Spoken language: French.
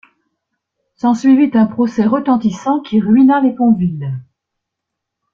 S'ensuivit un procès retentissant qui ruina les Pontville.